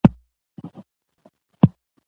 البته په انګرېزۍ کښې دې فلم ښۀ شهرت